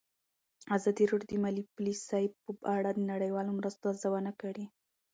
ازادي راډیو د مالي پالیسي په اړه د نړیوالو مرستو ارزونه کړې.